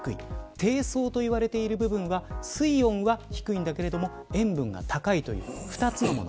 底層と言われている部分は水温は低いんだけど塩分が高いという２つのもの。